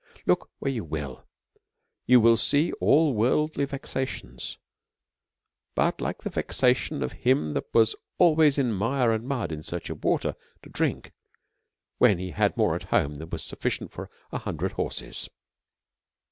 Look where you will, you will see all worldly vexations but like the vexation of him that was always in mire and mud in search of water to drink, when he had more at home than was sufficient for an hundred horses.